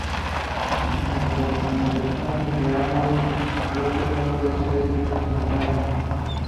Aunque la conmutación entre ambos bloques no puede ser instantánea.